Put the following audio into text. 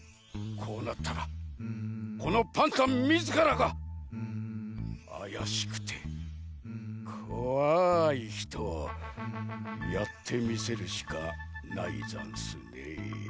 こうなったらこのパンタンみずからがあやしくてこわいひとをやってみせるしかないざんすねえ。